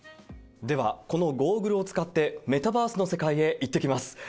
では、このゴーグルを使って、メタバースの世界へ行ってきます。